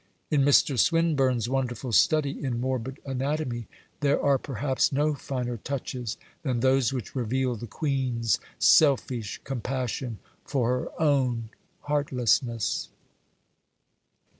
In Mr. Swinburne's wonderful study in morbid anatomy, there are perhaps no finer touches than those which reveal the Queen's selfish compassion for her own heartlessness.